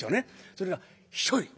それが１人。